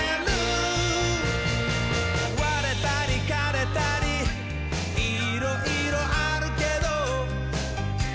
「われたりかれたりいろいろあるけど」